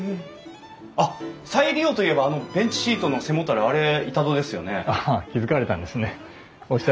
あっ再利用といえばあのベンチシートの背もたれあれ板戸ですよね？